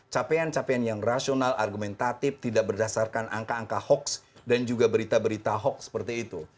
capaian capaian yang rasional argumentatif tidak berdasarkan angka angka hoax dan juga berita berita hoax seperti itu